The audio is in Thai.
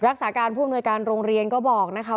รักษาการผู้อำนวยการโรงเรียนก็บอกนะคะ